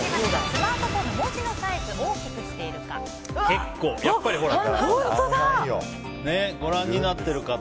スマートフォンの文字のサイズを大きくしているか。